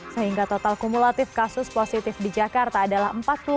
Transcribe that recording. sehingga total kumulatif kasus positif di jakarta adalah empat puluh dua